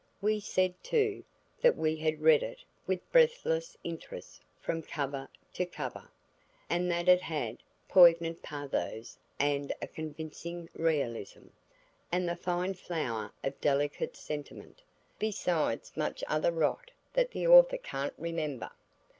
We said, too, that we had "read it with breathless interest from cover to cover," and that it had "poignant pathos and a convincing realism," and the "fine flower of delicate sentiment," besides much other rot that the author can't remember.